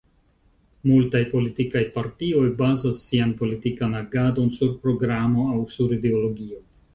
Multaj politikaj partioj bazas sian politikan agadon sur programo aŭ sur ideologio.